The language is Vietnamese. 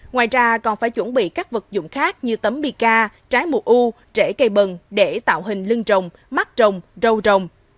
ngoài ra còn phải chuẩn bị các vật dụng khác như tấm bika trái mù u trễ cây bần để tạo hình lưng rồng mắt rồng râu rồng